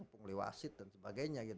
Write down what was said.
pungli wasid dan sebagainya